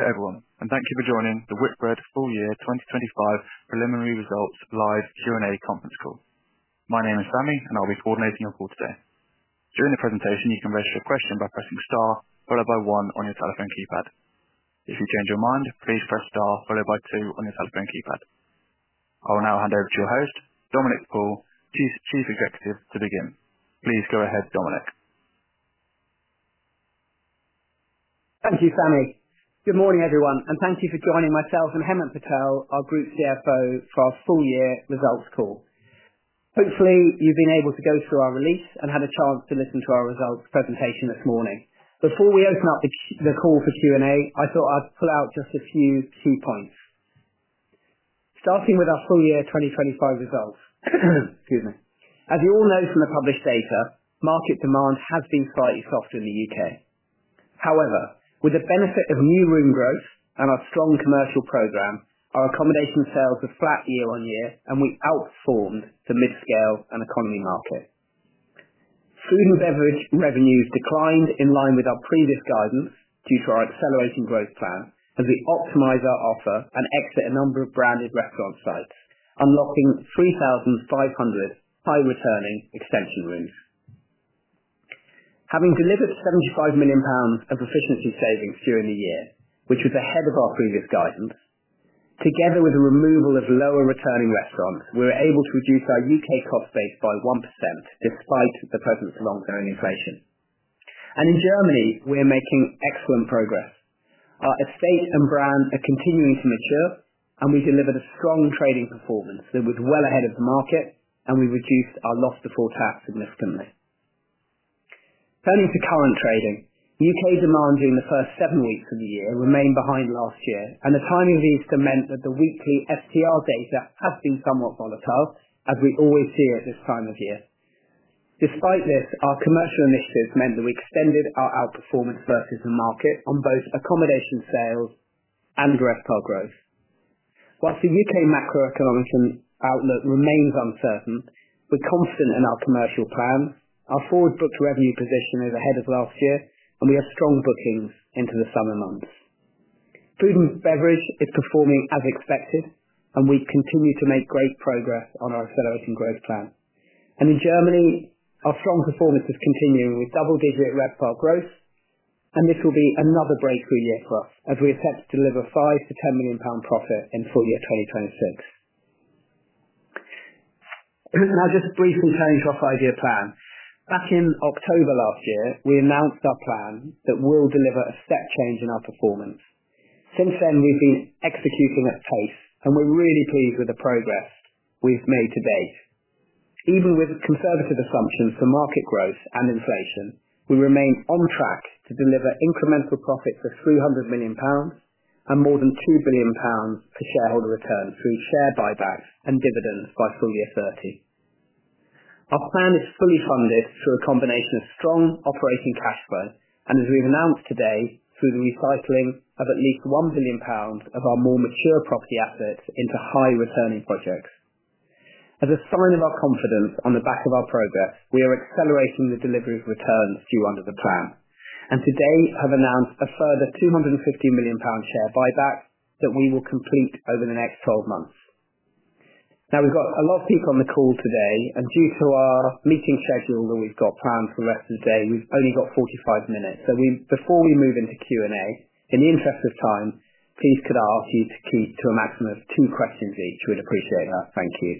Good evening, and thank you for joining the Whitbread Full Year 2025 Preliminary Results Live Q&A conference call. My name is Sammy, and I'll be coordinating your call today. During the presentation, you can register questions by pressing star followed by one on your telephone keypad. If you change your mind, please press star followed by two on your telephone keypad. I will now hand over to your host, Dominic Paul, Chief Executive, to begin. Please go ahead, Dominic. Thank you, Sammy. Good morning, everyone, and thank you for joining myself and Hemant Patel, our Group CFO, for our full year results call. Hopefully, you've been able to go through our release and had a chance to listen to our results presentation this morning. Before we open up the call for Q&A, I thought I'd pull out just a few key points. Starting with our full year 2025 results, as you all know from the published data, market demand has been slightly softer in the U.K. However, with the benefit of new room growth and our strong commercial program, our accommodation sales were flat year on year, and we outperformed the mid-scale and economy market. Food and beverage revenues declined in line with our previous guidance due to our Accelerating Growth Plan, as we optimize our offer and exit a number of branded restaurant sites, unlocking 3,500 high-returning extension rooms. Having delivered 75 million pounds of efficiency savings during the year, which was ahead of our previous guidance, together with the removal of lower-returning restaurants, we were able to reduce our U.K. cost base by 1% despite the presence of long-term inflation. In Germany, we are making excellent progress. Our estate and brand are continuing to mature, and we delivered a strong trading performance that was well ahead of the market, and we reduced our loss before tax significantly. Turning to current trading, U.K. demand during the first seven weeks of the year remained behind last year, and the timing of the Easter meant that the weekly STR data has been somewhat volatile, as we always hear at this time of year. Despite this, our commercial initiatives meant that we extended our outperformance versus the market on both accommodation sales and direct channel growth. Whilst the U.K. macroeconomic outlook remains uncertain, we're confident in our commercial plan, our forward-booked revenue position is ahead of last year, and we have strong bookings into the summer months. Food and beverage is performing as expected, and we continue to make great progress on our Accelerating Growth Plan. In Germany, our strong performance is continuing with double-digit RevPAR growth, and this will be another breakthrough year for us as we attempt to deliver 5 million-10 million pound profit in full year 2026. Now, just briefly turning to our five-year plan. Back in October last year, we announced our plan that we'll deliver a step change in our performance. Since then, we've been executing at pace, and we're really pleased with the progress we've made to date. Even with conservative assumptions for market growth and inflation, we remain on track to deliver incremental profits of 300 million pounds and more than 2 billion pounds for shareholder returns through share buybacks and dividends by full year 2030. Our plan is fully funded through a combination of strong operating cash flow, and as we have announced today, through the recycling of at least 1 billion pounds of our more mature property assets into high-returning projects. As a sign of our confidence on the back of our progress, we are accelerating the delivery of returns due under the plan, and today have announced a further 250 million pound share buyback that we will complete over the next 12 months. Now, we have got a lot of people on the call today, and due to our meeting schedule that we have planned for the rest of the day, we have only got 45 minutes. Before we move into Q&A, in the interest of time, please could I ask you to keep to a maximum of two questions each? We would appreciate that. Thank you.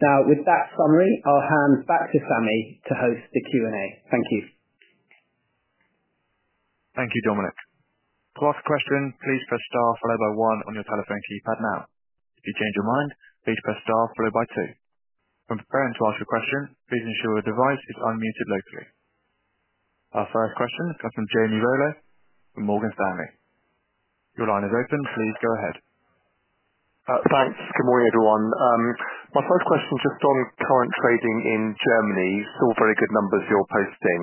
Now, with that summary, I'll hand back to Sammy to host the Q&A. Thank you. Thank you, Dominic. To ask a question, please press star followed by one on your telephone keypad now. If you change your mind, please press star followed by two. From preparing to ask a question, please ensure the device is unmuted locally. Our first question is from Jamie Rollo from Morgan Stanley. Your line is open. Please go ahead. Thanks. Good morning, everyone. My first question is just on current trading in Germany. Saw very good numbers you're posting.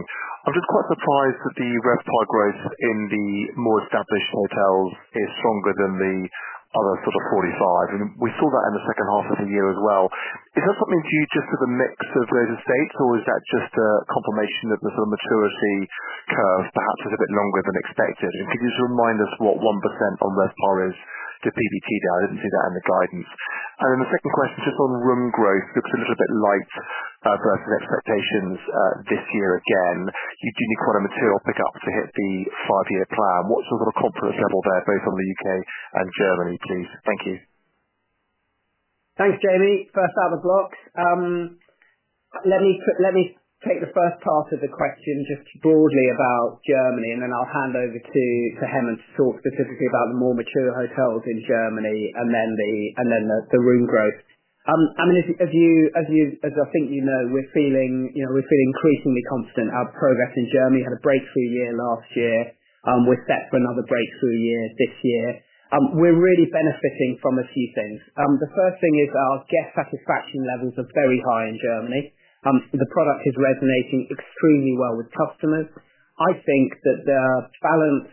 I was quite surprised that the RevPAR growth in the more established hotels is stronger than the other sort of 45. We saw that in the second half of the year as well. Is that something to you just as a mix of those estates, or is that just a confirmation that the sort of maturity curve perhaps is a bit longer than expected? Could you just remind us what 1% on RevPAR is to PBT there? I didn't see that in the guidance. The second question is just on room growth, looks a little bit light versus expectations this year again. You've seen the quarter material pickup to hit the five-year plan. What's the sort of confidence level there, both from the U.K. and Germany, please? Thank you. Thanks, Jamie. First out of the block. Let me take the first part of the question just broadly about Germany, and then I'll hand over to Hemant to talk specifically about the more mature hotels in Germany and then the room growth. I mean, as I think you know, we're feeling increasingly confident. Our progress in Germany had a breakthrough year last year. We're set for another breakthrough year this year. We're really benefiting from a few things. The first thing is our guest satisfaction levels are very high in Germany. The product is resonating extremely well with customers. I think that the balance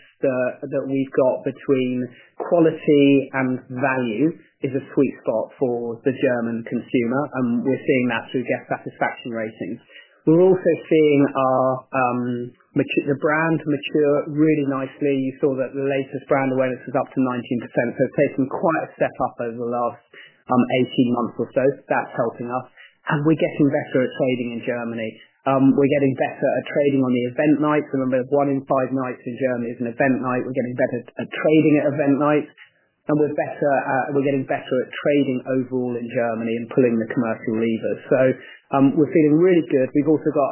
that we've got between quality and value is a sweet spot for the German consumer, and we're seeing that through guest satisfaction ratings. We're also seeing our brand mature really nicely. You saw that the latest brand awareness is up to 19%, so it's taken quite a step up over the last 18 months or so. That's helped enough. We're getting better at trading in Germany. We're getting better at trading on the event nights. Remember, one in five nights in Germany is an event night. We're getting better at trading at event nights, and we're getting better at trading overall in Germany and pulling the commercial levers. We're feeling really good. We've also got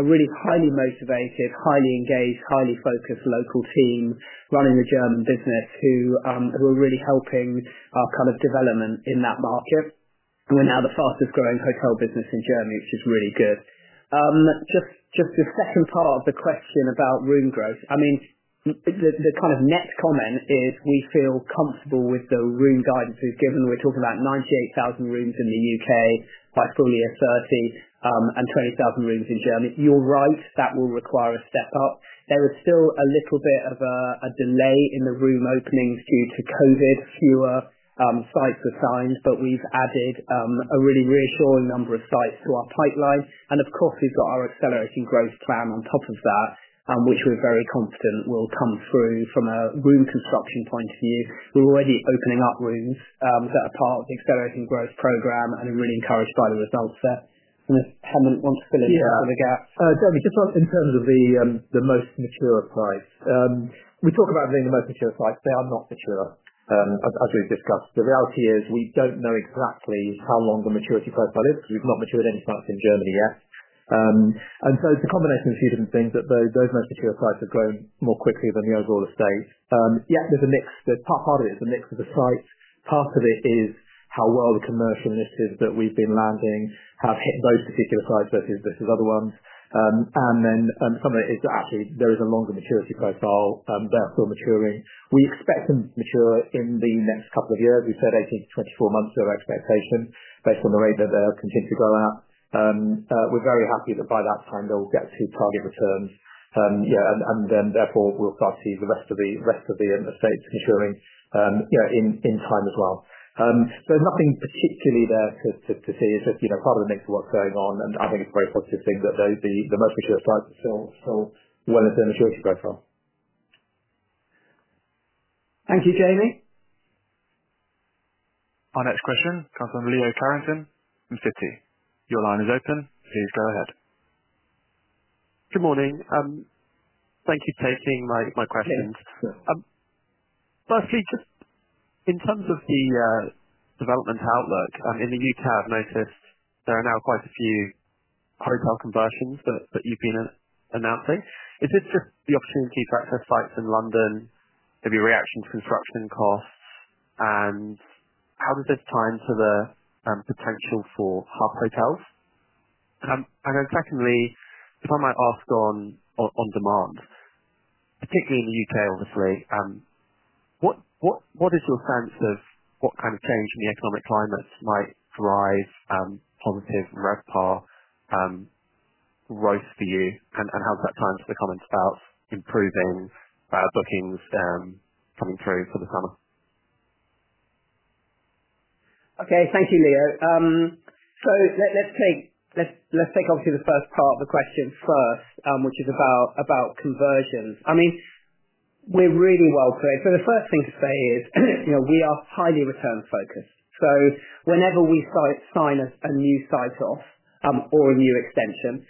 a really highly motivated, highly engaged, highly focused local team running the German business who are really helping our kind of development in that market. We're now the fastest growing hotel business in Germany, which is really good. Just the second part of the question about room growth, I mean, the kind of next comment is we feel comfortable with the room guidance we've given. We're talking about 98,000 rooms in the U.K. by full year 2030 and 20,000 rooms in Germany. You're right, that will require a step up. There is still a little bit of a delay in the room openings due to COVID, fewer sites at times, but we've added a really reassuring number of sites to our pipeline. Of course, we've got our Accelerating Growth Plan on top of that, which we're very confident will come through from a room construction point of view. We're already opening up rooms that are part of the accelerating growth program and are really encouraged by the results there. I want to fill in for a gap. Yeah. Jamie, just in terms of the most mature sites, we talk about being the most mature sites. They are not mature, as we've discussed. The reality is we don't know exactly how long the maturity profile is. We've not matured any sites in Germany yet. The combination sees different things that those most mature sites are growing more quickly than the overall estates. Yep, there's a mix. Part of it is a mix of the sites. Part of it is how well the commercial initiatives that we've been landing have hit those particular sites versus other ones. Some of it is actually there is a longer maturity profile, therefore maturing. We expect them to mature in the next couple of years. We've said 18 months-24 months of expectation based on the rate that they're continuing to go out. We're very happy that by that time they'll get to target returns. Therefore, we'll start to see the rest of the estates maturing in time as well. There's nothing particularly there to see. It's just part of the mix of what's going on, and I think it's a very positive thing that the most mature sites are still well into the maturity profile. Thank you, Jamie. Our next question comes from Leo Carrington from Citi. Your line is open. Please go ahead. Good morning. Thank you for taking my questions. Firstly, just in terms of the development outlook, in the U.K., I've noticed there are now quite a few hotel conversions that you've been announcing. Is this just the opportunity to access sites in London? Maybe a reaction to construction costs? How does this tie into the potential for Hub hotels? Secondly, if I might ask on demand, particularly in the U.K., obviously, what is your sense of what kind of change in the economic climate might drive positive RevPAR growth for you? How does that tie into the comments about improving bookings coming through for the summer? Okay, thank you, Leo. Let's take obviously the first part of the question first, which is about conversions. I mean, we're really well placed. The first thing to say is we are highly return-focused. Whenever we sign a new site off or a new extension,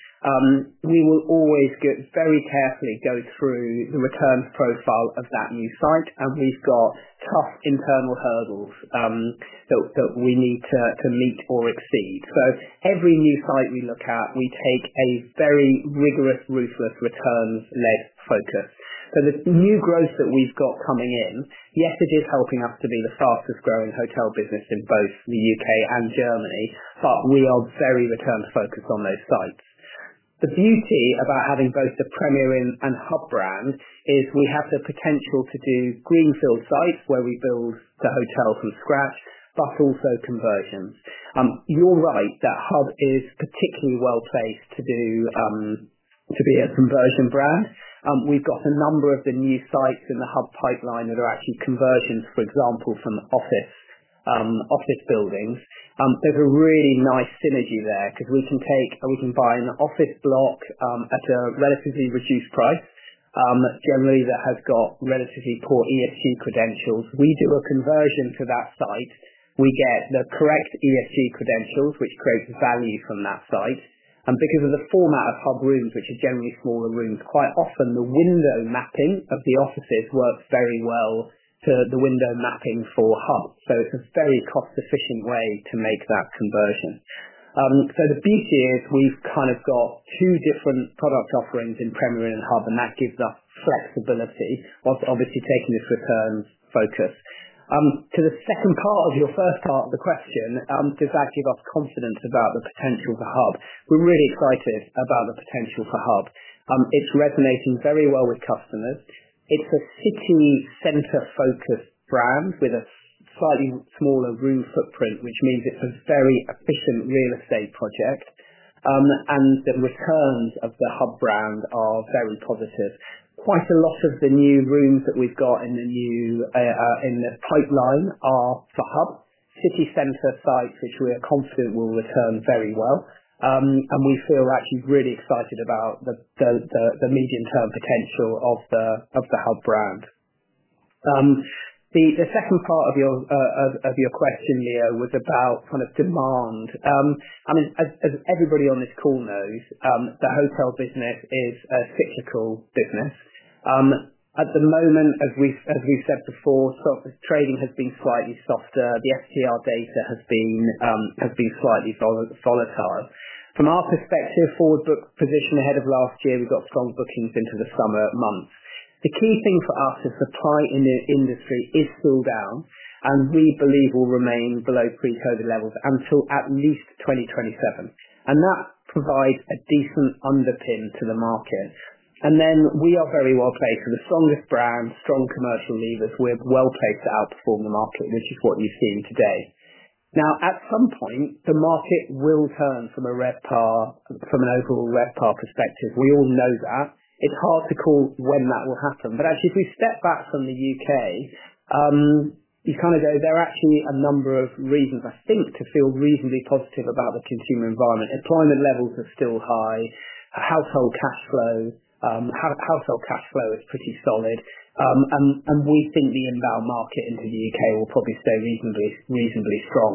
we will always very carefully go through the returns profile of that new site. We've got tough internal hurdles that we need to meet or exceed. Every new site we look at, we take a very rigorous, ruthless returns-led focus. The new growth that we've got coming in, yes, it is helping us to be the fastest growing hotel business in both the U.K. and Germany, but we are very return-focused on those sites. The beauty about having both the Premier Inn and Hub brand is we have the potential to do greenfield sites where we build the hotel from scratch, but also conversions. You're right that Hub is particularly well placed to be a conversion brand. We've got a number of the new sites in the Hub pipeline that are actually conversions, for example, from office buildings. There's a really nice synergy there because we can take a buying office block at a relatively reduced price, generally that has got relatively poor ESG credentials. We do a conversion to that site. We get the correct ESG credentials, which creates value from that site. Because of the format of Hub rooms, which are generally smaller rooms, quite often the window mapping of the offices works very well to the window mapping for Hub. It is a very cost-efficient way to make that conversion. The beauty is we've kind of got two different product offerings in Premier Inn and Hub, and that gives us flexibility of obviously taking this returns focus. To the second part of your first part of the question, does that give us confidence about the potential for Hub? We're really excited about the potential for Hub. It's resonating very well with customers. It's a city-center focused brand with a slightly smaller room footprint, which means it's a very efficient real estate project. The returns of the Hub brand are very positive. Quite a lot of the new rooms that we've got in the new pipeline are for Hub, city-center sites, which we are confident will return very well. We feel actually really excited about the medium-term potential of the Hub brand. The second part of your question, Leo, was about kind of demand. I mean, as everybody on this call knows, the hotel business is a cyclical business. At the moment, as we've said before, trading has been slightly softer. The STR data has been slightly volatile. From our perspective, forward-look position ahead of last year, we've got strong bookings into the summer months. The key thing for us is supply in the industry is still down, and we believe will remain below pre-COVID levels until at least 2027. That provides a decent underpin to the market. We are very well placed. We're the strongest brand, strong commercial levers. We're well placed to outperform the market, which is what you've seen today. At some point, the market will turn from an overall RevPAR perspective. We all know that. It's hard to call when that will happen. If we step back from the U.K., you kind of go, there are actually a number of reasons, I think, to feel reasonably positive about the consumer environment. Employment levels are still high. Household cash flow, household cash flow is pretty solid. We think the inbound market into the U.K. will probably stay reasonably strong.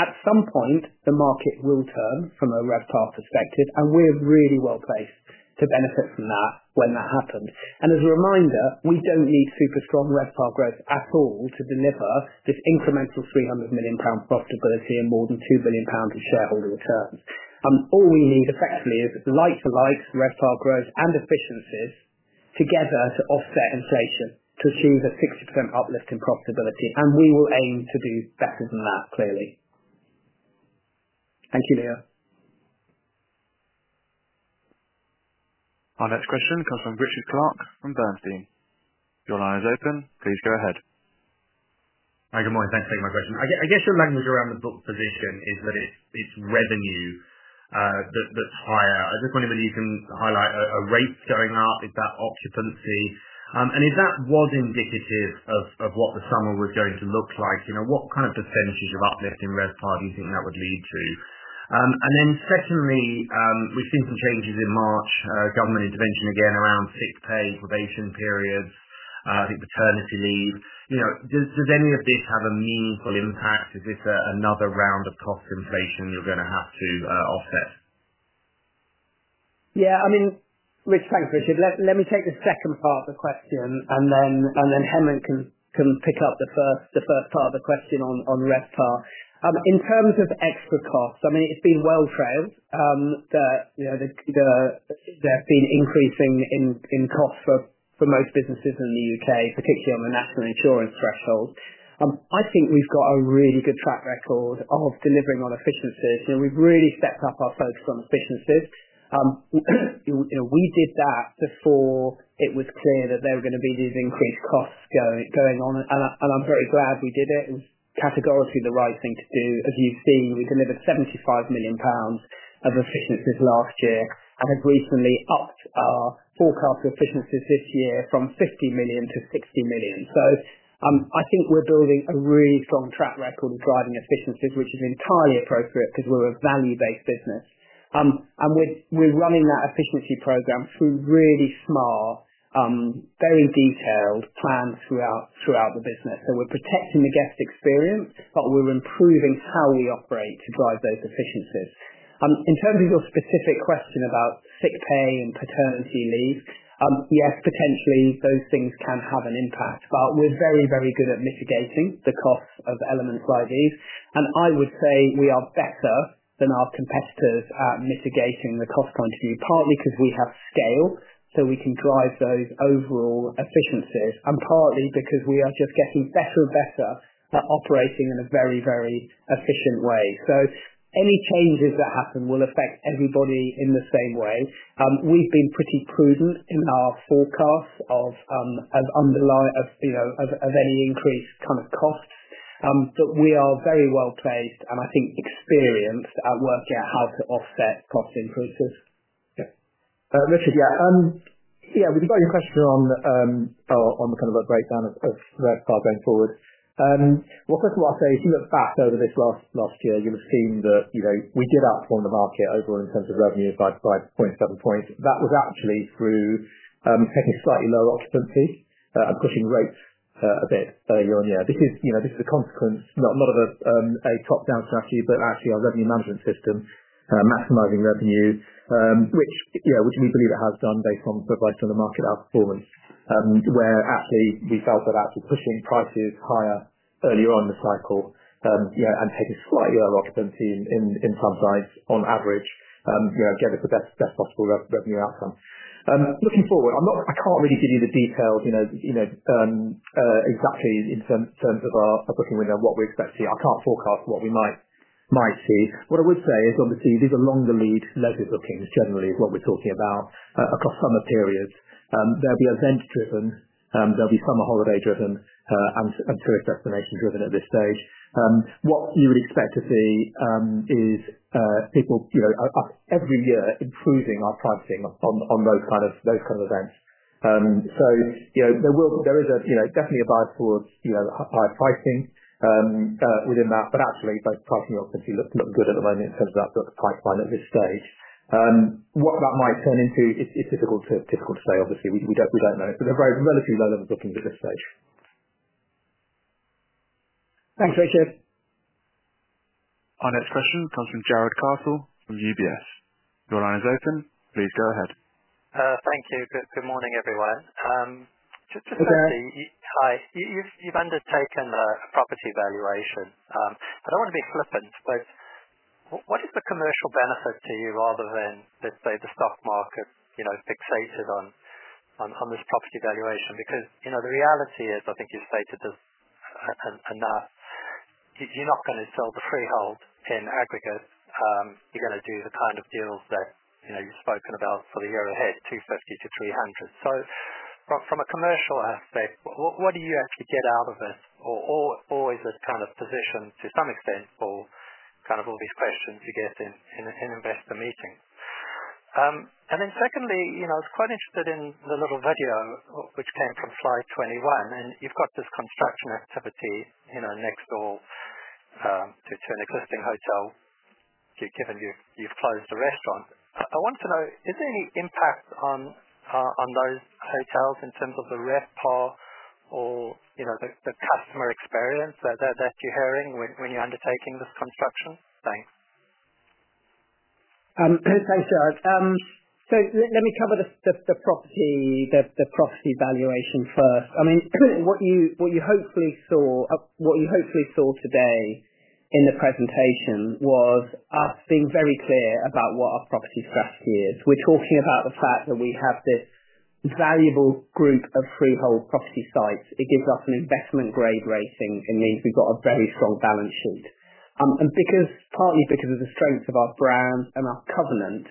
At some point, the market will turn from a RevPAR perspective, and we are really well placed to benefit from that when that happens. As a reminder, we do not need super strong RevPAR growth at all to deliver this incremental 300 million pounds profitability and more than 2 billion pounds in shareholder returns. All we need effectively is the like-to-likes, RevPAR growth, and efficiencies together to offset inflation to achieve a 60% uplift in profitability. We will aim to do better than that, clearly. Thank you, Leo. Our next question comes from Richard Clarke from Bernstein. Your line is open. Please go ahead. Hi, good morning. Thanks for taking my question. I guess your language around the book position is that it's revenue that's higher. I just wondered whether you can highlight a rate going up, is that occupancy? If that was indicative of what the summer was going to look like, what kind of percentages of uplifting RevPAR do you think that would lead to? Secondly, we've seen some changes in March, government intervention again around sick pay probation periods, I think maternity leave. Does any of this have a meaningful impact? Is this another round of cost inflation you're going to have to offset? Yeah, I mean, Richard, thanks, Richard. Let me take the second part of the question, and then Hemant can pick up the first part of the question on RevPAR. In terms of extra costs, I mean, it's been well trailed that there's been increasing in costs for most businesses in the U.K., particularly on the National Insurance threshold. I think we've got a really good track record of delivering on efficiencies. We've really stepped up our focus on efficiencies. We did that before it was clear that there were going to be these increased costs going on. I am very glad we did it. It was categorically the right thing to do. As you've seen, we delivered 75 million pounds of efficiencies last year and have recently upped our forecast efficiencies this year from 50 million to 60 million. I think we're building a really strong track record of driving efficiencies, which is entirely appropriate because we're a value-based business. We're running that efficiency program through really smart, very detailed plans throughout the business. We're protecting the guest experience, but we're improving how we operate to drive those efficiencies. In terms of your specific question about sick pay and paternity leave, yes, potentially those things can have an impact, but we're very, very good at mitigating the costs of elements like these. I would say we are better than our competitors at mitigating the cost continuity, partly because we have scale, so we can drive those overall efficiencies, and partly because we are just getting better and better at operating in a very, very efficient way. Any changes that happen will affect everybody in the same way. We've been pretty prudent in our forecast of any increased kind of costs, but we are very well placed and I think experienced at working out how to offset cost increases. Yeah. Richard, yeah. Yeah, we have got your question on kind of a breakdown of RevPAR going forward. One question I will say, you have seen that fast over this last year. You have seen that we did outperform the market overall in terms of revenue by 5.7 points. That was actually through taking slightly lower occupancies and pushing rates a bit earlier on. Yeah, this is a consequence, not of a top-down strategy, but actually our revenue management system maximizing revenues, which we believe it has done based on providing to the market outperformance, where actually we felt that actually pushing prices higher earlier on in the cycle and taking slightly lower occupancy in some sites on average, get the best possible revenue outcome. Looking forward, I cannot really give you the details exactly in terms of our booking window and what we expect to see. I can't forecast what we might see. What I would say is obviously these are longer lead level bookings generally is what we're talking about across summer periods. There'll be event-driven. There'll be summer holiday-driven and tourist destinations driven at this stage. What you would expect to see is people every year improving our pricing on those kind of events. There is definitely a vibe towards higher pricing within that, but actually those pricing opportunities look good at the moment in terms of that pipeline at this stage. What that might turn into is difficult to say, obviously. We don't know. They're very relatively relevant bookings at this stage. Thanks, Richard. Our next question comes from Jarrod Castle from UBS. Your line is open. Please go ahead. Thank you. Good morning, everyone. Just to see, you've undertaken a property valuation. I don't want to be flippant, but what is the commercial benefit to you rather than, let's say, the stock market fixated on this property valuation? Because the reality is, I think you've stated this enough, you're not going to sell the freehold in aggregate. You're going to do the kind of deals that you've spoken about for the year ahead, 250-300. From a commercial aspect, what do you actually get out of it? Is it kind of positioned to some extent for kind of all these questions you get in investor meetings? Secondly, I was quite interested in the little video which came from FY 2021. You've got this construction activity next door to an existing hotel. You've closed the restaurant. I want to know, is there any impact on those hotels in terms of the RevPAR or the customer experience that you're hearing when you're undertaking this construction? Thanks. Thanks, Jarrod. I mean, what you hopefully saw today in the presentation was us being very clear about what our property strategy is. We're talking about the fact that we have this valuable group of freehold property sites. It gives us an investment-grade rating in these. We've got a very strong balance sheet. Partly because of the strength of our brand and our covenant,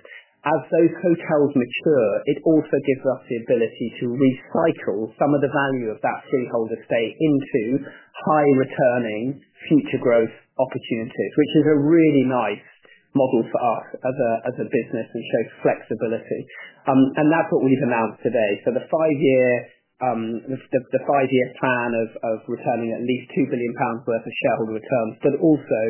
as those hotels mature, it also gives us the ability to recycle some of the value of that freehold estate into high-returning future growth opportunities, which is a really nice model for us as a business and shows flexibility. That's what we've announced today. The five-year plan of returning at least 2 billion pounds worth of shareholder return, but also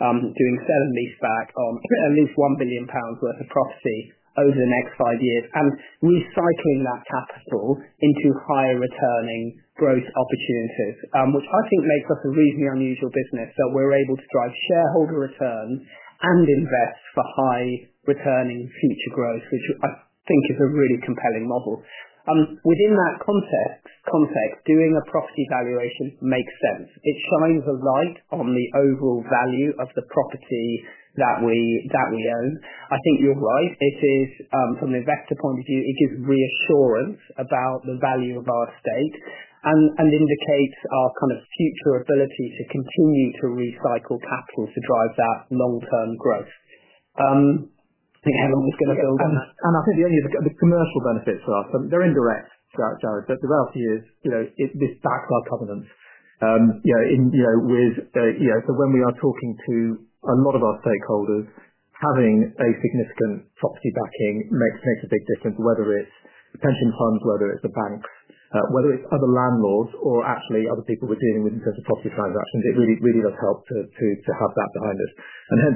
doing sale and lease back on at least 1 billion pounds worth of property over the next five years, and recycling that capital into higher-returning growth opportunities, which I think makes us a reasonably unusual business. We are able to drive shareholder return and invest for high-returning future growth, which I think is a really compelling model. Within that context, doing a property valuation makes sense. It shines a light on the overall value of the property that we own. I think you're right. It is, from the investor point of view, it gives reassurance about the value of our estate and indicates our kind of future ability to continue to recycle capital to drive that long-term growth. I think Hemant was going to build on that. I think the only commercial benefits for us, they're in the red, Jarrod, but the reality is this stakeholders problems with, so when we are talking to a lot of our stakeholders, having a significant property backing makes a big difference, whether it's Pension Fund, whether it's a bank, whether it's other landlords, or actually other people we're dealing with in terms of property transactions. It really does help to have that behind us.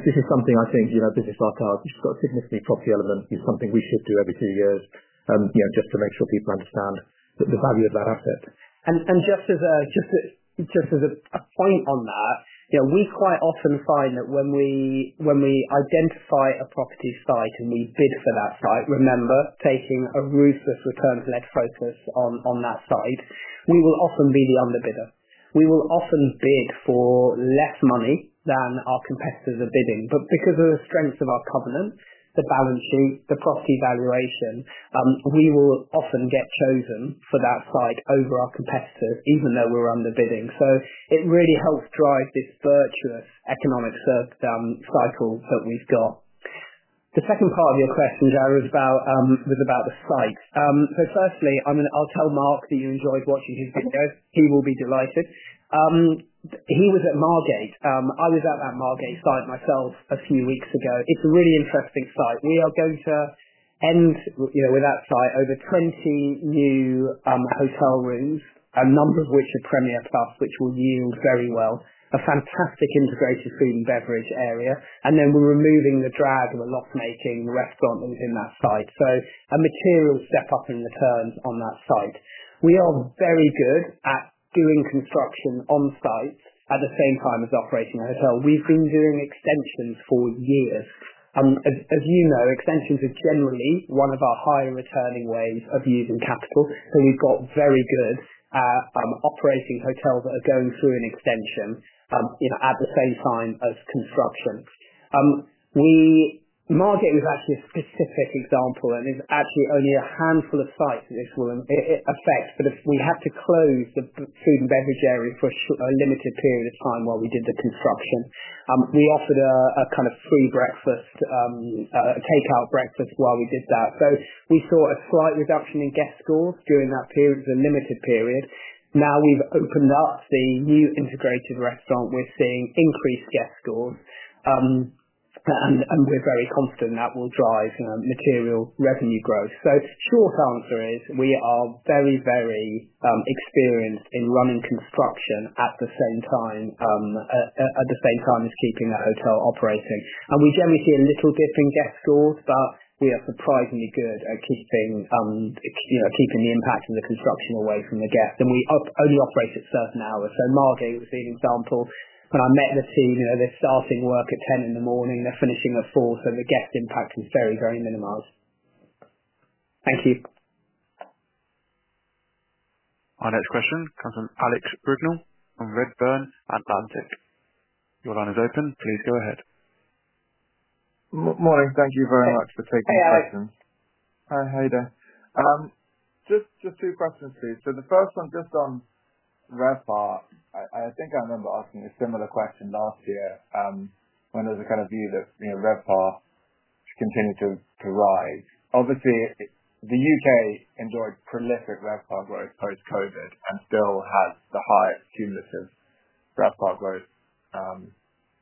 This is something I think business like ours, you've got a significant property element, is something we could do every two years just to make sure people understand the value of that asset. Just as a point on that, we quite often find that when we identify a property site and we bid for that site, remember, taking a ruthless return to net focus on that site, we will often be the underbidder. We will often bid for less money than our competitors are bidding. Because of the strength of our covenant, the balance group, the property valuation, we will often get chosen for that site over our competitors, even though we're underbidding. It really helps drive this virtuous economic cycle that we've got. The second part of your question, Jarrod, was about the site. Firstly, I'll tell Mark that you enjoyed watching his videos. He will be delighted. He was at Margate. I was at that Margate site myself a few weeks ago. It's a really interesting site. We are going to end with that site over 20 new hotel rooms, a number of which are Premier Plus, which will yield very well, a fantastic integrated food and beverage area. We are removing the drag and the loss-making restaurant in that site. A material step-up in returns on that site. We are very good at doing construction on site at the same time as operating a hotel. We've been doing extensions for years. As you know, extensions are generally one of our higher returning ways of using capital. We've got very good operating hotels that are going through an extension at the same time as construction. Margate is actually a specific example, and it's actually only a handful of sites that this will affect. If we had to close the food and beverage area for a limited period of time while we did the construction, we offered a kind of free breakfast, a takeout breakfast while we did that. We saw a slight reduction in guest scores during that period, the limited period. Now we've opened up the new integrated restaurant. We're seeing increased guest scores. We are very confident that will drive material revenue growth. The short answer is we are very, very experienced in running construction at the same time as keeping that hotel operating. We generally see a little dip in guest scores, but we are surprisingly good at keeping the impact of the construction away from the guest. We only operate at certain hours. Margate is an example. When I met the team, they are starting work at 10:00 A.M. They are finishing at 4:00 P.M., so the guest impact is very, very minimized. Thank you. Our next question comes from Alex Brignall from Redburn Atlantic. Your line is open. Please go ahead. Morning. Thank you very much for taking the question. Hi, Alex. Hi, there. Just two questions, please. The first one just on RevPAR, I think I remember asking a similar question last year when there was a kind of view that RevPAR continued to rise. Obviously, the U.K. enjoyed prolific RevPAR growth post-COVID and still has the highest cumulative RevPAR growth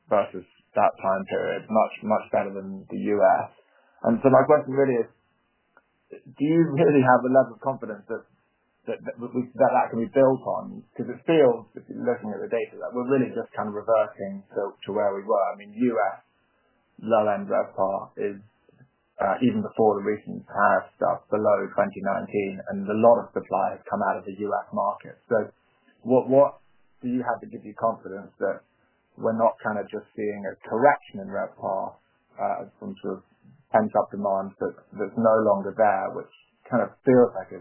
versus that time period, much better than the U.S. My question really is, do you really have a level of confidence that that can be built on? It feels, looking at the data, that we're really just kind of reverting to where we were. I mean, U.S. low-end RevPAR is, even before the recent tariff stuff, below 2019, and a lot of supply has come out of the U.S. market. What do you have to give you confidence that we're not kind of just seeing a correction in RevPAR as some sort of pent-up demand that's no longer there, which kind of feels like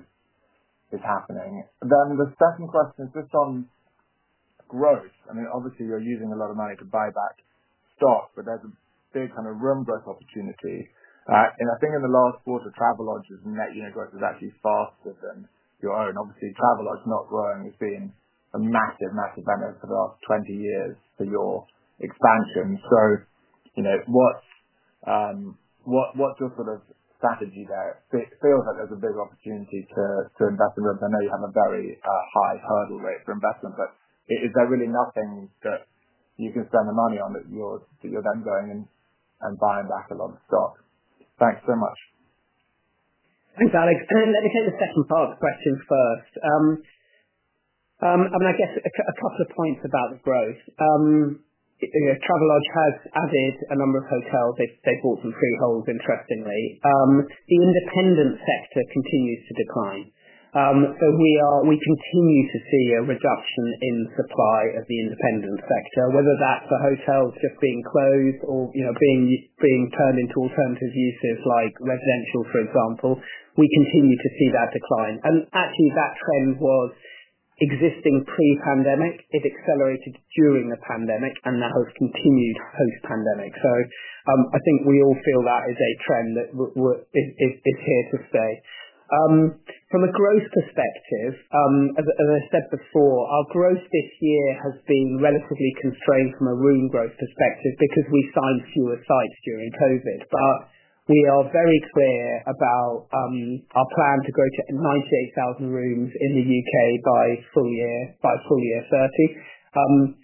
is happening? The second question is just on growth. I mean, obviously, you're using a lot of money to buy back stock, but there's a big kind of room growth opportunity. I think in the last quarter, Travelodge's net unit growth is actually faster than your own. Obviously, Travelodge is not growing. You've seen a massive, massive benefit for the last 20 years for your expansion. What's your sort of strategy there? It feels like there's a big opportunity to invest in rooms. I know you have a very high hurdle rate for investment, but is there really nothing that you can spend the money on that you're then going and buying back a lot of stock? Thanks very much. Thanks, Alex. Let me take the second part of the question first. I mean, I guess a couple of points about the growth. Travelodge has added a number of hotels. They've bought some freeholds, interestingly. The independent sector continues to decline. We continue to see a reduction in supply of the independent sector, whether that's the hotels just being closed or being turned into alternative uses like residential, for example. We continue to see that decline. Actually, that trend was existing pre-pandemic. It accelerated during the pandemic and now has continued post-pandemic. I think we all feel that is a trend that is here to stay. From a growth perspective, as I said before, our growth this year has been relatively constrained from a room growth perspective because we signed fewer sites during COVID. We are very clear about our plan to grow to 98,000 rooms in the U.K. by full year 2030.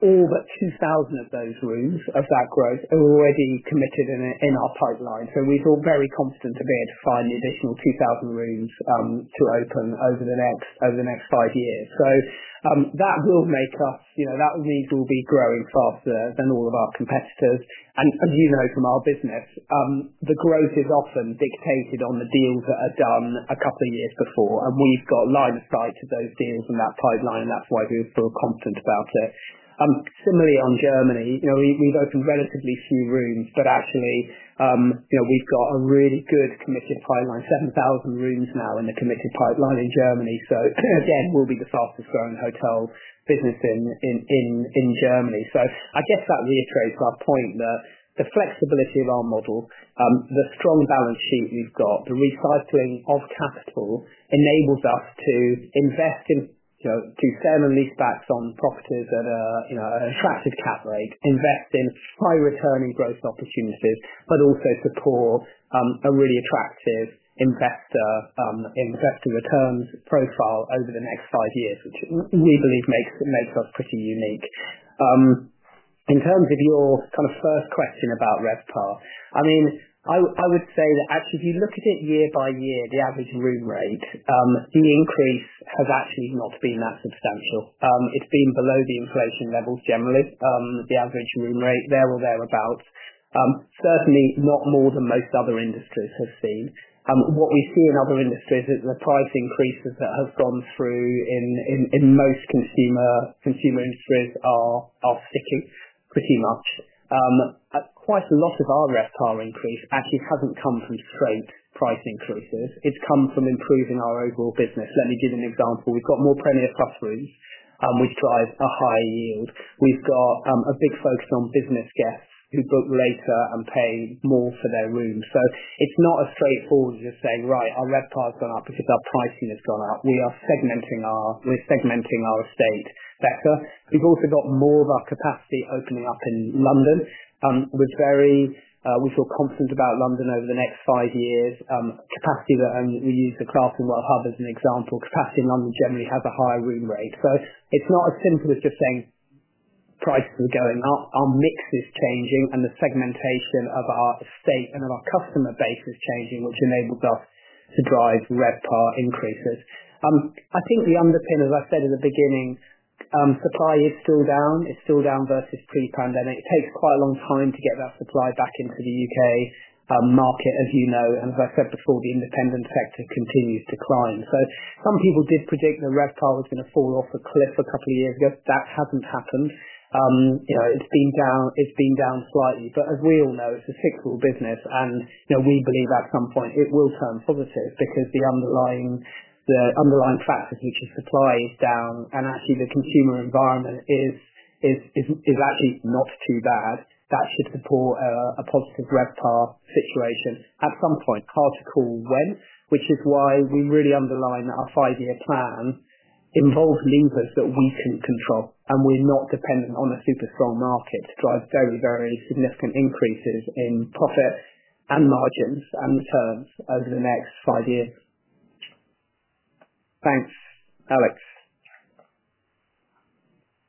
All but 2,000 of those rooms of that growth are already committed in our pipeline. We are all very confident to be able to find the additional 2,000 rooms to open over the next five years. That will make us, that rooms will be growing faster than all of our competitors. You know from our business, the growth is often dictated on the deals that are done a couple of years before. We have lines tied to those deals in that pipeline. That is why we feel confident about it. Similarly, on Germany, we have opened relatively few rooms, but actually, we have a really good committed pipeline, 7,000 rooms now in the committed pipeline in Germany. Again, we will be the fastest-growing hotel business in Germany. I guess that reiterates our point that the flexibility of our model, the strong balance sheet we've got, the recycling of capital enables us to invest in sale and lease backs on properties at an attractive cap rate, invest in high-returning growth opportunities, but also support a really attractive investor in the returns profile over the next five years, which we believe makes us pretty unique. In terms of your kind of first question about RevPAR, I mean, I would say that actually, if you look at it year by year, the average room rate, the increase has actually not been that substantial. It's been below the inflation levels generally, the average room rate, there or thereabouts. Certainly not more than most other industries have seen. What we see in other industries is that the price increases that have gone through in most consumer industries are sticking pretty much. Quite a lot of our RevPAR increase actually hasn't come from straight price increases. It's come from improving our overall business. Let me give you an example. We've got more Premier Plus rooms. We've drived a high yield. We've got a big focus on business guests who book later and pay more for their rooms. It is not a straightforward just saying, "Right, our RevPAR has gone up because our pricing has gone up." We are segmenting our estate better. We've also got more of our capacity opening up in London. We feel confident about London over the next five years. Capacity that we use the Clerkenwell Hub as an example. Capacity in London generally has a high room rate. It is not as simple as just saying, "Prices are going up." Our mix is changing, and the segmentation of our estate and of our customer base is changing, which enables us to drive RevPAR increases. I think the underpin, as I said in the beginning, supply is still down. It is still down versus pre-pandemic. It takes quite a long time to get that supply back into the U.K. market, you know. As I said before, the independent sector continues to climb. Some people did predict the RevPAR was going to fall off a cliff a couple of years ago. That has not happened. It has been down slightly. As we all know, it is a cyclical business. We believe at some point it will turn positive because the underlying factors, which are supply is down and actually the consumer environment is actually not too bad, that should support a positive RevPAR situation. At some point, hard to call when, which is why we really underline that our five-year plan involves levers that we can control. We are not dependent on a super strong market to drive very, very significant increases in profit and margins and returns over the next five years. Thanks, Alex.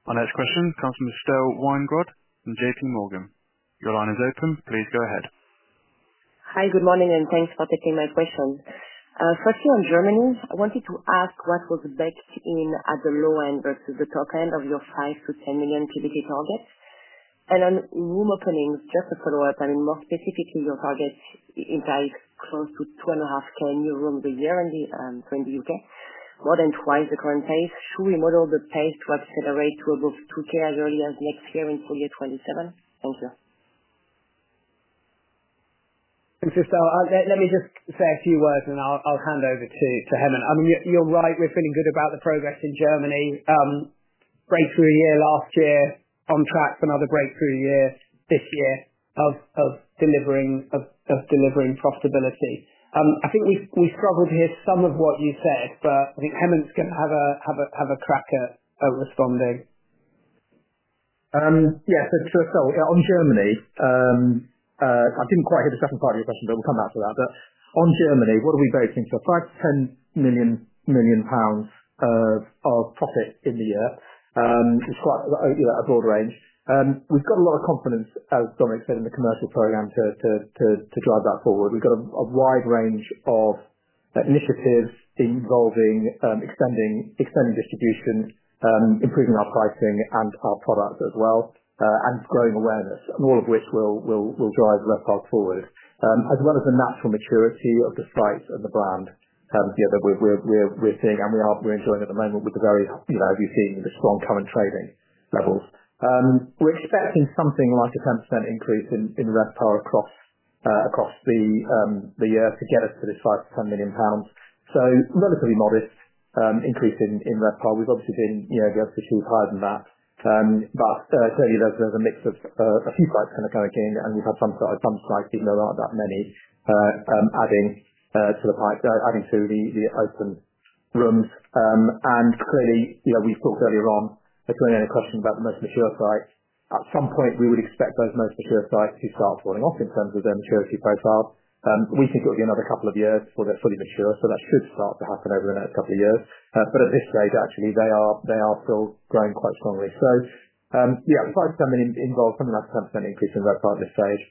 Our next question comes from Estelle Weingrod from JP Morgan. Your line is open. Please go ahead. Hi, good morning, and thanks for taking my question. Firstly, on Germany, I wanted to ask what was backed in at the low end versus the top end of your 5 million-10 million PBT targets? I mean, on room openings, just a follow-up, more specifically, your targets imply close to 2,500 rooms a year in the U.K., more than twice the current pace. Should we model the pace to accelerate to above 2,000 as early as next year in Q2 2027? Thank you. Thanks, Estelle. Let me just say a few words, and I'll hand over to Hemant. I mean, you're right. We're feeling good about the progress in Germany. Breakthrough year last year, on track for another breakthrough year this year of delivering profitability. I think we struggled to hear some of what you said, but I think Hemant can have a cracker responding. Yeah, first of all, on Germany, I didn't quite hear the second part of your question, but we'll come back to that. On Germany, what are we aiming for? 5 million-10 million pounds of profit in the year. It's quite a broad range. We've got a lot of confidence, as Dominic said, in the commercial program to drive that forward. We've got a wide range of initiatives involving extending distribution, improving our pricing and our product as well, and growing awareness, all of which will drive RevPAR forward, as well as the natural maturity of the sites and the brand that we're seeing. We're enjoying at the moment, as you've seen, the strong current trading levels. We're expecting something like a 10% increase in RevPAR across the year to get us to this 5 million-10 million pounds. Relatively modest increase in RevPAR. We've obviously been against issues higher than that. Clearly, there's a mix of a few pipes kind of going in, and we've had some sites, even though there aren't that many, adding to the pipe, adding to the open rooms. Clearly, we talked earlier on at 2020 about the most mature sites. At some point, we would expect those most mature sites to start falling off in terms of their maturity profile. We think it'll be another couple of years before they're fully mature. That should start to happen over the next couple of years. At this stage, actually, they are still growing quite strongly. Yeah, the 5 million-10 million involves something like a 10% increase in RevPAR at this stage,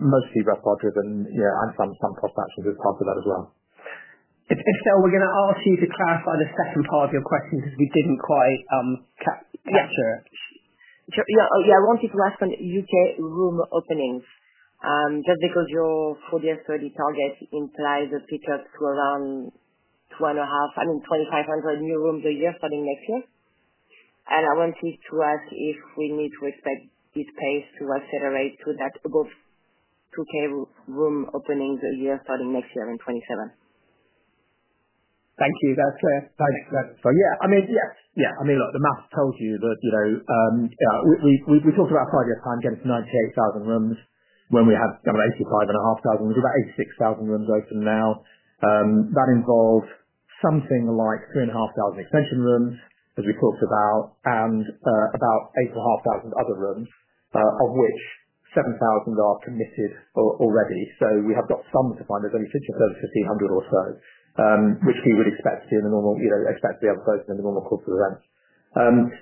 mostly RevPAR driven and some top factors that just come to that as well. Estelle, we're going to ask you to clarify the second part of your question because we didn't quite catch. Yes, sir. Yeah, I wanted to ask on U.K. room openings, just because your FY 2030 target implies a pickup to around 2,500 new rooms a year starting next year. I wanted to ask if we need to expect this pace to accelerate to that above 2,000 room openings a year starting next year in 2027. Thank you. That's fair. Thanks for that. Yeah, I mean, look, the math tells you that we talked about five years' time getting to 98,000 rooms when we had kind of 85,500. We've got about 86,000 rooms open now. That involves something like 3,500 extension rooms, as we talked about, and about 8,500 other rooms, of which 7,000 are committed already. We have got some to find. There's only 1,500 or so, which we would expect to be open in the normal course of events.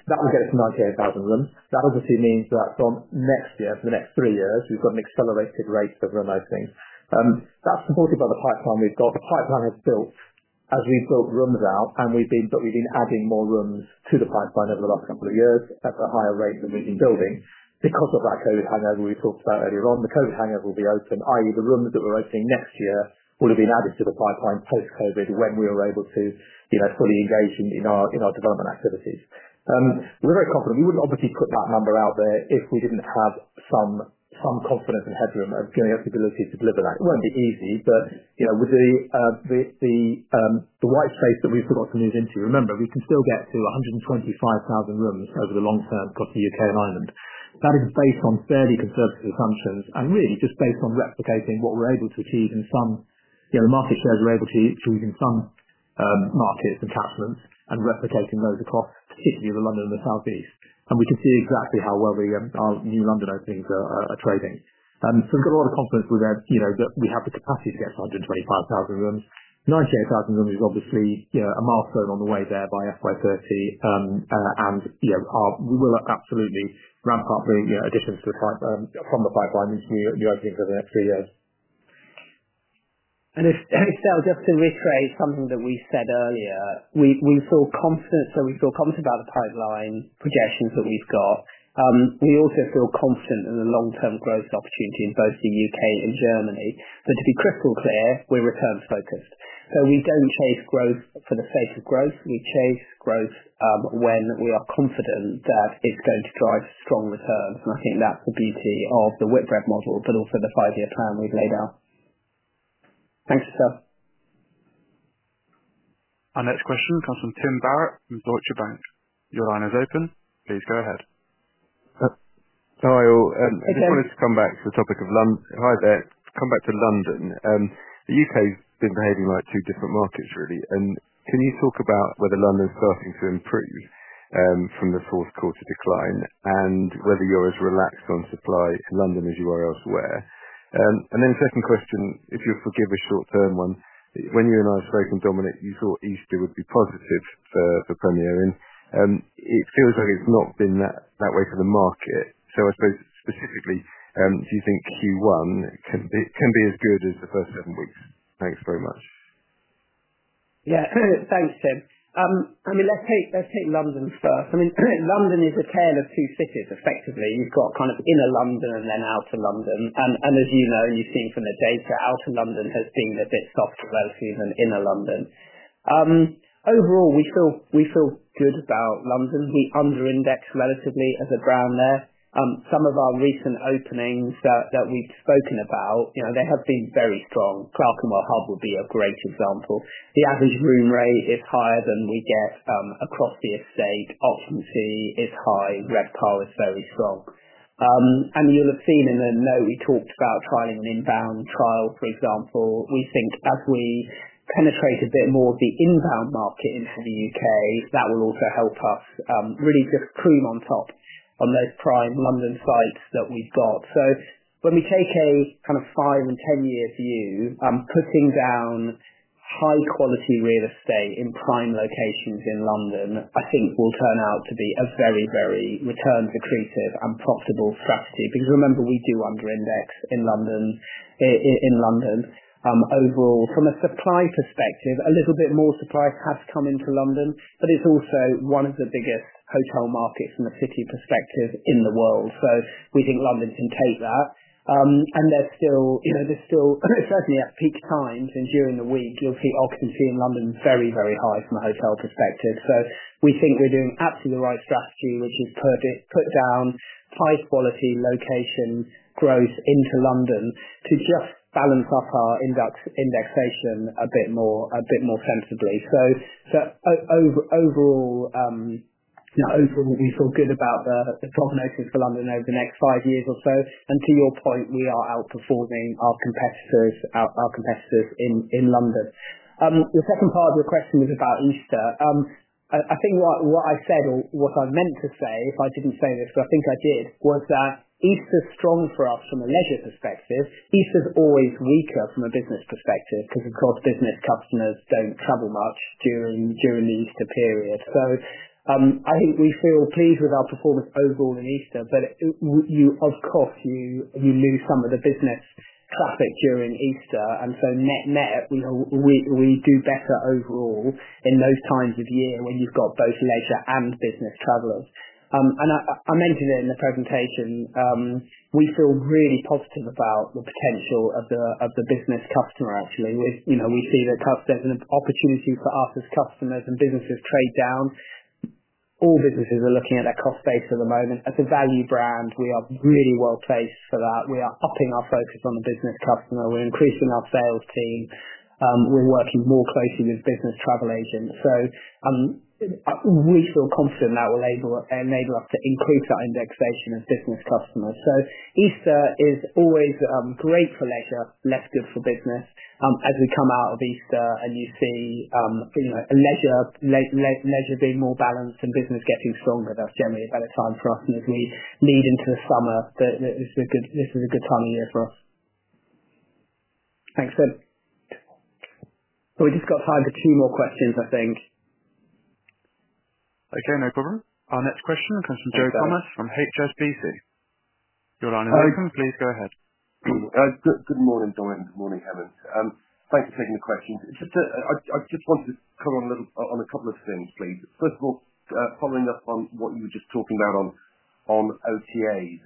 That would get us to 98,000 rooms. That obviously means that from next year, for the next three years, we've got an accelerated rate of room opening. That's supported by the pipeline we've got. The pipeline has built as we've built rooms out, and we've been adding more rooms to the pipeline over the last couple of years at a higher rate than we've been building. Because of that COVID hangover we talked about earlier on, the COVID hangover will be open, i.e., the rooms that we're opening next year will have been added to the pipeline post-COVID when we are able to fully engage in our development activities. We're very confident. We wouldn't obviously put that number out there if we didn't have some confidence in headroom and the ability to deliver that. It won't be easy, but with the white space that we've forgotten to move into, remember, we can still get to 125,000 rooms over the long term across the U.K. and Ireland. That is based on fairly conservative assumptions and really just based on replicating what we're able to achieve in some market shares we're able to achieve in some markets and catchments and replicating those across, particularly the London and the Southeast. We can see exactly how well our new London openings are trading. We have a lot of confidence with that. We have the capacity to get 125,000 rooms. 98,000 rooms is obviously a milestone on the way there by FY 2030. We will absolutely ramp up a difference from the pipeline into new openings over the next three years. Estelle, just to rephrase something that we said earlier, we feel confident about the pipeline projections that we've got. We also feel confident in the long-term growth opportunity in both the U.K. and Germany. To be crystal clear, we're returns focused. We do not chase growth for the sake of growth. We chase growth when we are confident that it is going to drive strong returns. I think that is the beauty of the Whitbread model, but also the five-year plan we have laid out. Thanks, Estelle. Our next question comes from Tim Barrett from Deutsche Bank. Your line is open. Please go ahead. Hi, I just wanted to come back to the topic of London. Hi there. Come back to London. The U.K. has been behaving like two different markets, really. Can you talk about whether London is starting to improve from the fourth quarter decline and whether you're as relaxed on supply to London as you are elsewhere? Second question, if you'll forgive a short-term one, when you and I were trading, Dominic, you thought Easter would be positive for Premier. It feels like it's not been that way for the market. I suppose specifically, do you think Q1 can be as good as the first seven weeks? Thanks very much. Yeah, thanks, Tim. I mean, let's take London first. I mean, London is the tale of two cities, effectively. You've got kind of Inner London and then Outer London. As you know, and you've seen from the data, Outer London has been a bit soft for both seasons Inner London. Overall, we feel good about London. We underindex relatively as a brand there. Some of our recent openings that we've spoken about, they have been very strong. Clerkenwell Hub would be a great example. The average room rate is higher than we get across the estate. Occupancy is high. RevPAR is very strong. You'll have seen in the note we talked about trialing an inbound trial, for example. We think as we penetrate a bit more of the inbound market into the U.K., that will also help us really just cream on top on those prime London sites that we've got. When we take a kind of five and ten-year view, putting down high-quality real estate in prime locations in London, I think will turn out to be a very, very return-derived and profitable strategy. Because remember, we do underindex in London. Overall, from a supply perspective, a little bit more supply has come into London, but it's also one of the biggest hotel markets from a city perspective in the world. We think London can take that. There is still, certainly at peak times and during the week, you'll see occupancy in London very, very high from a hotel perspective. We think we are doing absolutely the right strategy, which is put down high-quality location growth into London to just balance up our indexation a bit more sensibly. Overall, we feel good about the prognosis for London over the next five years or so. To your point, we are outperforming our competitors in London. The second part of your question was about Easter. I think what I said, or what I meant to say, if I did not say this, but I think I did, was that Easter is strong for us from a leisure perspective. Easter is always weaker from a business perspective because, of course, business customers do not travel much during the Easter period. I think we feel pleased with our performance overall in Easter, but of course, you lose some of the business traffic during Easter. Net net, we do better overall in those times of year when you have both leisure and business travelers. I mentioned it in the presentation. We feel really positive about the potential of the business customer actually. We see the opportunity for us as customers and businesses trade down. All businesses are looking at their cost base at the moment. As a value brand, we are really well placed for that. We are upping our focus on the business customer. We are increasing our sales team. We are working more closely with business travel agents. We feel confident that will enable us to increase our indexation as business customers. Easter is always great for leisure, less good for business. As we come out of Easter and you see leisure being more balanced and business getting stronger, that is generally a better time for us. As we lead into the summer, this is a good time of year for us. Thanks, Tim. We just got time for two more questions, I think. Okay, no problem. Our next question is from Joe Thomas from HSBC. Join on in the room. Please go ahead. Good morning, Dominic. Good morning, Hemant. Thanks for taking the questions. I just wanted to comment on a couple of things, please. First of all, following up on what you were just talking about on OTAs,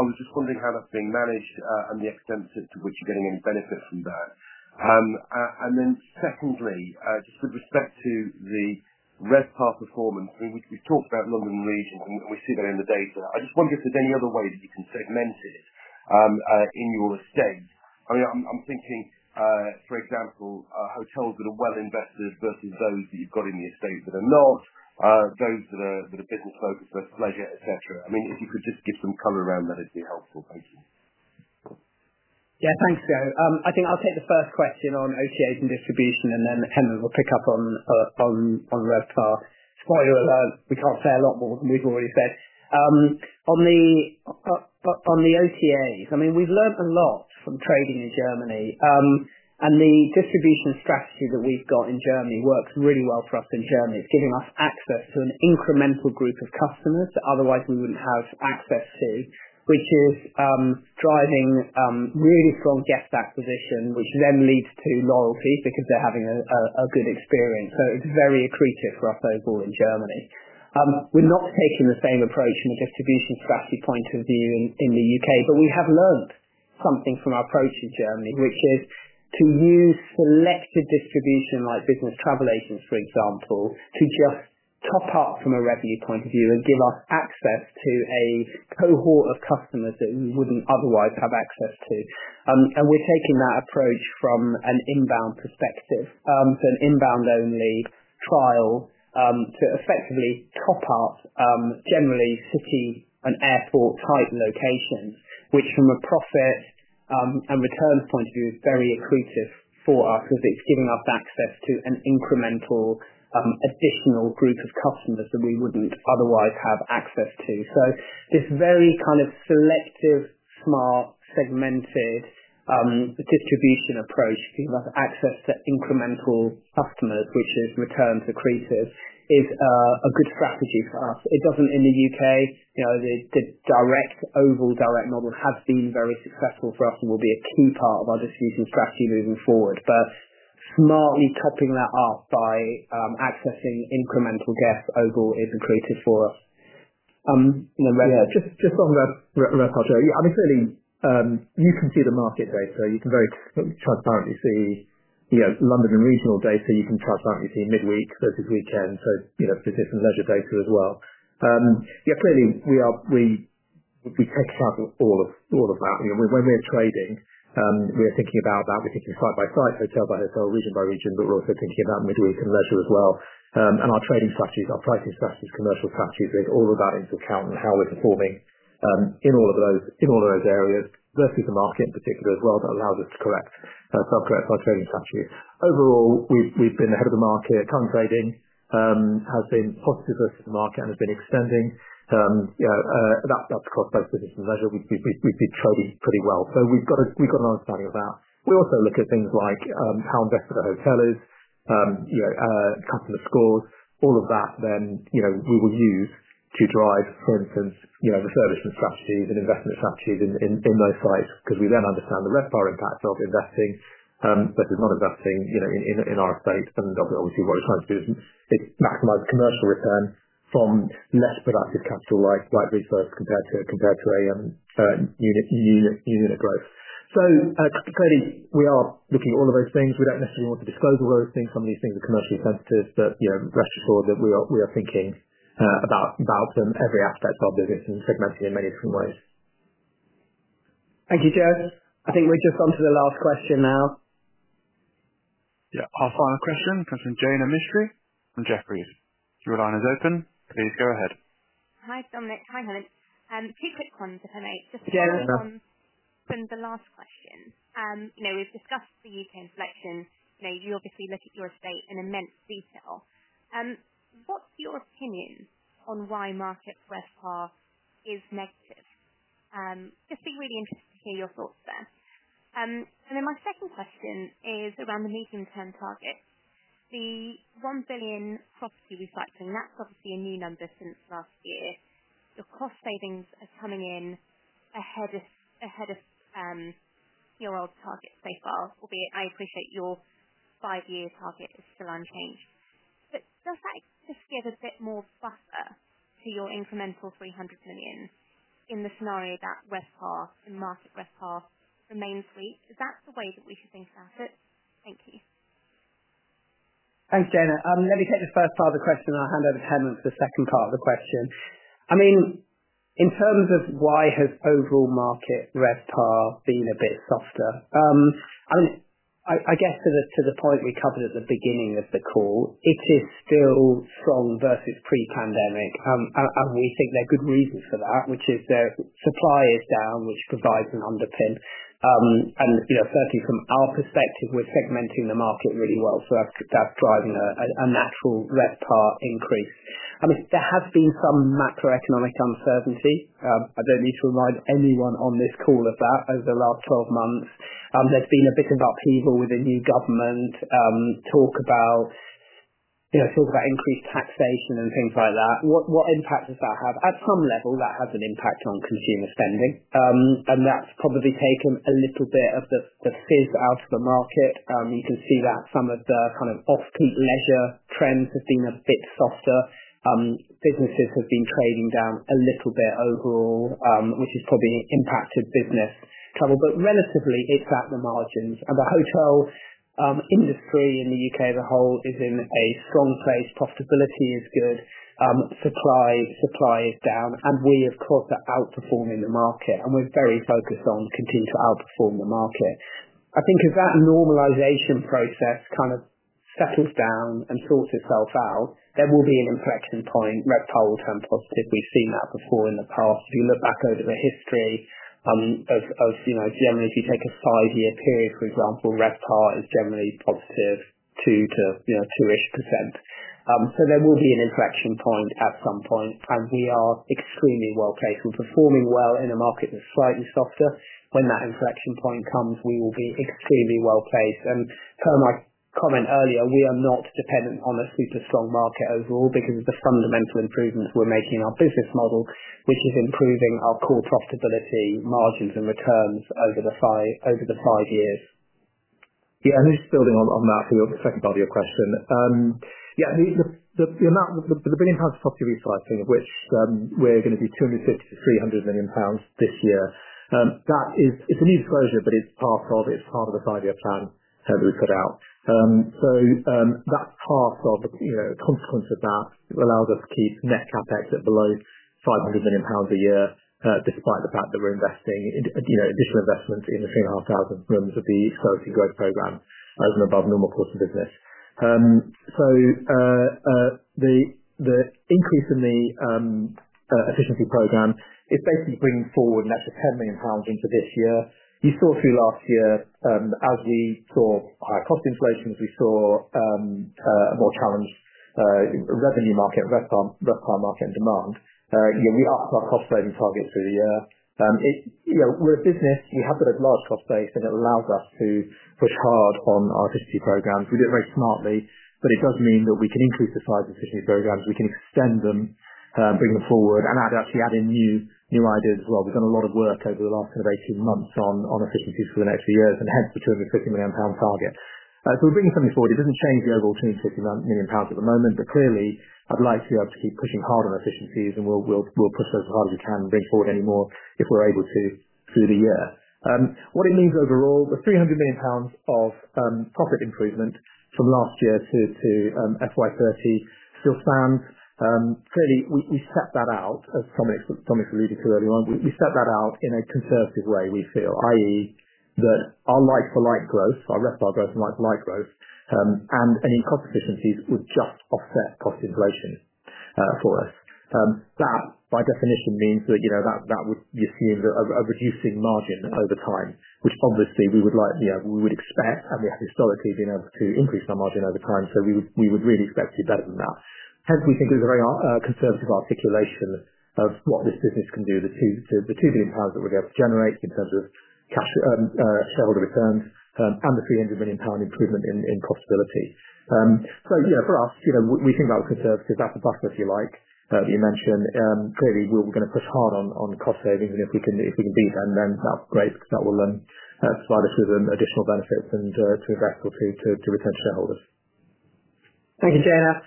I was just wondering how that's being managed and the extent to which you're getting any benefit from that. Secondly, just with respect to the RevPAR performance, we've talked about London regions, and we see that in the data. I just wonder if there's any other way that you can segment it in your estate. I mean, I'm thinking, for example, hotels that are well invested versus those that you've got in the estate that are not, those that are business focused versus leisure, etc. I mean, if you could just give some color around that, it'd be helpful, thank you. Yeah, thanks, Joe. I think I'll take the first question on OTAs and distribution, and then Hemant will pick up on RevPAR. Spoiler alert, we can't say a lot more than we've already said. On the OTAs, I mean, we've learned a lot from trading in Germany. The distribution strategy that we've got in Germany works really well for us in Germany. It's giving us access to an incremental group of customers that otherwise we wouldn't have access to, which is driving really strong guest acquisition, which then leads to loyalty because they're having a good experience. It is very accretive for us overall in Germany. We're not taking the same approach from a distribution strategy point of view in the U.K., but we have learned something from our approach in Germany, which is to use selective distribution like business travel agents, for example, to just top up from a revenue point of view and give us access to a cohort of customers that we wouldn't otherwise have access to. We're taking that approach from an inbound perspective, so an inbound-only trial to effectively top up generally city and airport-type locations, which from a profit and return point of view is very accretive for us because it's giving us access to an incremental additional group of customers that we wouldn't otherwise have access to. This very kind of selective, smart, segmented distribution approach to give us access to incremental customers, which is returns accretive, is a good strategy for us. It doesn't in the U.K. The direct, overall direct model has been very successful for us and will be a key part of our decision strategy moving forward. Smartly topping that off by accessing incremental guests overall is accretive for us. Just on the RevPAR data, I mean, clearly, you can see the market data. You can very transparently see London and regional data. You can transparently see midweek versus weekend. There is some leisure data as well. Yeah, clearly, we take stock of all of that. When we're trading, we're thinking about that because we're site by side, hotel by hotel, region by region, but we're also thinking about midweek and leisure as well. Our trading strategies, our pricing strategies, commercial strategies, all of that into account and how we're performing in all of those areas versus the market in particular as well, that allows us to correct our trading strategy. Overall, we've been ahead of the market. Current trading has been positive versus the market and has been extending. That's across both business and leisure. We've been trading pretty well. We have an understanding of that. We also look at things like how invested a hotel is, customer scores, all of that then we will use to drive, for instance, refurbishment strategies and investment strategies in those sites because we then understand the RevPAR impact of investing versus not investing in our estate. Obviously, what we're trying to do is maximize commercial return from less productive capital like restaurants compared to a unit growth. Clearly, we are looking at all of those things. We do not necessarily want to disclose all those things. Some of these things are commercially sensitive, but rest assured that we are thinking about them, every aspect of our business, and segmenting in many different ways. Thank you, Joe. I think we are just on to the last question now. Yeah, our final question comes from Jaina Mistry. Jefferies. Your line is open. Please go ahead. Hi, Dominic. Hi, Hemant. Two quick ones, if I may. Just one from the last question. We've discussed the U.K. selection. You obviously look at your estate in immense detail. What's your opinion on why market RevPAR is negative? Just be really interested to hear your thoughts there. My second question is around the medium-term target. The 1 billion property refinancing, that's obviously a new number since last year. Your cost savings are coming in ahead of your old target so far, albeit I appreciate your five-year target is still unchanged. Does that expect to give a bit more buffer to your incremental 300 million in the scenario that market RevPAR remains weak? Is that the way that we should think about it? Thank you. Thanks, Jaina. Let me take the first part of the question and I'll hand over to Hemant for the second part of the question. I mean, in terms of why has overall market RevPAR been a bit softer? I guess to the point we covered at the beginning of the call, it is still strong versus pre-pandemic. We think there are good reasons for that, which is that supply is down, which provides an underpin. Certainly from our perspective, we're segmenting the market really well. That's driving a natural RevPAR increase. I mean, there has been some macroeconomic uncertainty. I don't need to remind anyone on this call of that over the last 12 months. There's been a bit of upheaval with the new government, talk about increased taxation and things like that. What impact does that have? At some level, that has an impact on consumer spending. That has probably taken a little bit of the fizz out of the market. You can see that some of the kind of off-peak leisure trends have been a bit softer. Businesses have been trading down a little bit overall, which has probably impacted business cover. Relatively, it is at the margins. The hotel industry in the U.K. as a whole is in a strong place. Profitability is good. Supply is down. We, of course, are outperforming the market. We are very focused on continuing to outperform the market. I think as that normalization process kind of settles down and sorts itself out, there will be an inflection point, RevPAR will turn positive. We have seen that before in the past. If you look back over the history of Germany, if you take a five-year period, for example, RevPAR is generally positive to 2%. There will be an inflection point at some point. We are extremely well placed. We are performing well in a market that is slightly softer. When that inflection point comes, we will be extremely well placed. Per my comment earlier, we are not dependent on a super strong market overall because of the fundamental improvements we are making in our business model, which is improving our core profitability, margins, and returns over the five years. Yeah, just building on that for the second part of your question. The amount of the GBP 1 billion property refinancing, which we are going to do 250 million-300 million pounds this year, that is a new disclosure, but it is part of the five-year plan that we put out. That's part of the consequence of that. It allows us to keep net CapEx below 500 million pounds a year, despite the fact that we're investing in additional investment in the 3,500 rooms of the growth program over and above normal course of business. The increase in the efficiency program is basically bringing forward net to 10 million pounds into this year. You saw through last year, as we saw higher cost inflations, we saw a more challenged revenue market, RevPAR market demand. We upped our cost trading target through the year. We're a business. We have got a large cost base, and it allows us to push hard on our efficiency programs. We did it very smartly, but it does mean that we can increase the size of the efficiency program. We can extend them, bring them forward, and actually add in new ideas as well. We have done a lot of work over the last kind of 18 months on efficiencies for the next few years, and hence the 250 million pound target. We are bringing something forward. It does not change the overall 250 million pounds at the moment, but clearly, I would like to be able to keep pushing hard on efficiencies, and we will push as hard as we can and bring forward any more if we are able to through the year. What it means overall, the 300 million pounds of profit improvement from last year to FY 2030 still stands. Clearly, we set that out, as Hemant alluded to earlier on. We set that out in a conservative way, we feel, i.e., that our like-for-like growth, our RevPAR growth and like-for-like growth, and any cost efficiencies would just offset cost inflation for us. That, by definition, means that you see a reducing margin over time, which obviously we would expect, and we have historically been able to increase our margin over time, so we would really expect to be better than that. Hence, we think it's a very conservative articulation of what this business can do, the 2 billion pounds that we're going to have to generate in terms of shareholder return and the 300 million pound improvement in profitability. For us, we think about conservative. That's the buffer, if you like, that you mentioned. Clearly, we're going to push hard on cost savings, and if we can beat them, then that's great. That will provide us with additional benefits to invest or to return to shareholders. Thank you, Jaina.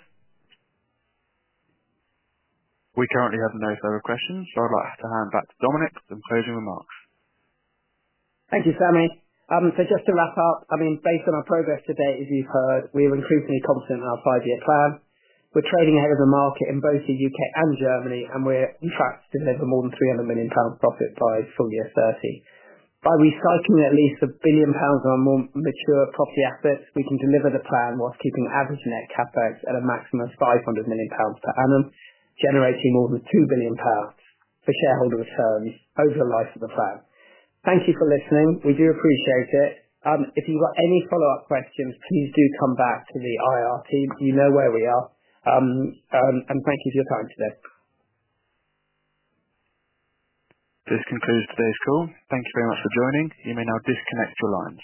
We currently have no further questions, so I'd like to hand back to Dominic for some closing remarks. Thank you, Sammy. Just to wrap up, I mean, based on our progress to date, as you've heard, we are increasingly confident in our five-year plan. We're trading ahead of the market in both the U.K. and Germany, and we're tracked to deliver more than 300 million pounds profit prior to full year 2030. By recycling at least 1 billion pounds on more mature property assets, we can deliver the plan whilst keeping average net CapEx at a maximum of 500 million pounds per annum, generating more than 2 billion pounds for shareholder returns over the life of the plan. Thank you for listening. We do appreciate it. If you've got any follow-up questions, please do come back to the IR team. You know where we are. Thank you for your time today. This concludes today's call. Thank you very much for joining. You may now disconnect your line.